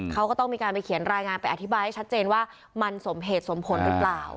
เขาก็ต้องมีการไปเขียนรายงานไปอธิบายให้ชัดเจนว่ามันสมเหตุสมผลหรือเปล่า